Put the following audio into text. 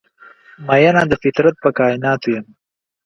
میینه د فطرت په کائیناتو یم